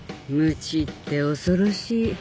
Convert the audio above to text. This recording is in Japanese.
無知って恐ろしい